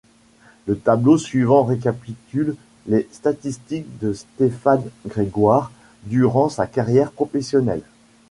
Le tableau suivant récapitule les statistiques de Stéphane Grégoire durant sa carrière professionnelle.